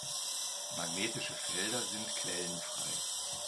Magnetische Felder sind quellenfrei.